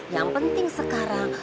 yang penting sekarang